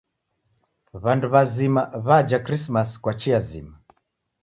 W'andu w'azima w'aja Krismasi kwa chia zima.